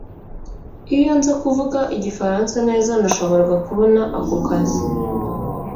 Iyo nza kuvuga igifaransa neza nashoboraga kubona ako kazi